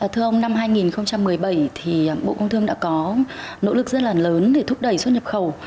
thưa ông năm hai nghìn một mươi bảy thì bộ công thương đã có nỗ lực rất là lớn để thúc đẩy xuất nhập khẩu